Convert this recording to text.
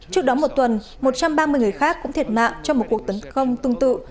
trước đó một tuần một trăm ba mươi người khác cũng thiệt mạng trong một cuộc tấn công tương tự